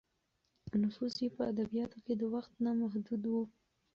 نفوذ یې په ادبیاتو کې د وخت نه محدود و.